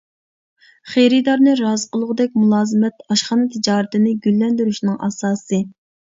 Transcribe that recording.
خېرىدارنى رازى قىلغۇدەك مۇلازىمەت ئاشخانا تىجارىتىنى گۈللەندۈرۈشنىڭ ئاساسى.